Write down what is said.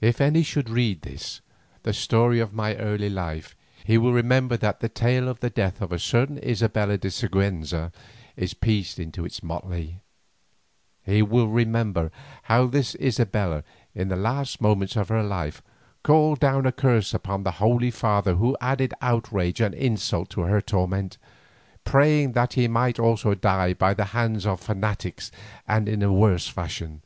If any should read this, the story of my early life, he will remember that the tale of the death of a certain Isabella de Siguenza is pieced into its motley. He will remember how this Isabella, in the last moments of her life, called down a curse upon that holy father who added outrage and insult to her torment, praying that he might also die by the hands of fanatics and in a worse fashion.